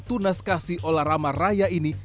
tunas kasih olarama raya ini